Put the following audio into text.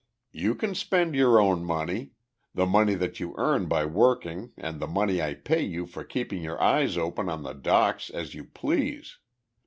"You can spend your own money the money you earn by working and the money I pay you for keeping your eyes open on the dock as you please.